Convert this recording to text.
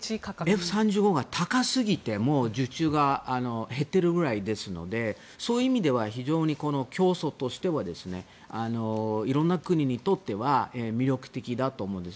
Ｆ３５が高すぎて受注が減っているぐらいですのでそういう意味では非常に競争としては色んな国にとっては魅力的だと思うんです。